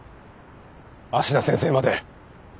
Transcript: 芦名先生まで！